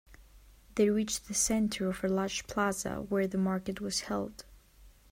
They reached the center of a large plaza where the market was held.